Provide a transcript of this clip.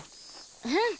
うん。